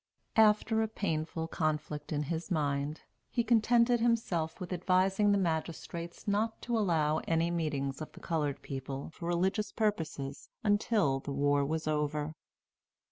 After a painful conflict in his mind, he contented himself with advising the magistrates not to allow any meetings of the colored people for religious purposes until the war was over.